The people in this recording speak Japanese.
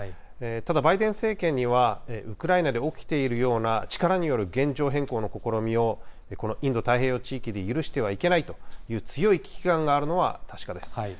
ただ、バイデン政権には、ウクライナで起きているような力による現状変更の試みを、このインド太平洋地域で許してはいけないという強い危機感があるのは確かです。